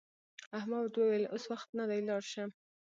احمد وویل اوس وخت نه دی لاړ شه.